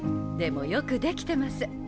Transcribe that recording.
でもよく出来てます。